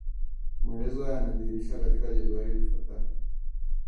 Maelezo haya yamedhihirishwa katika jedwali lifuatalo